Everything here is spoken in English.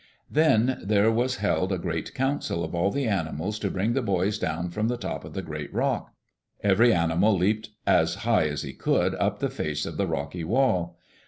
Then there was held a great council of all the animals to bring the boys down from the top of the great rock. Every animal leaped as high as he could up the face of the rocky wall.